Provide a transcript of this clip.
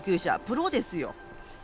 プロですよ。